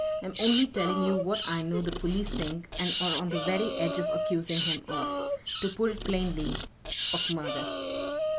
I'm only telling you what I know the police think and are on the very edge of accusing him of. To put it plainly of murder.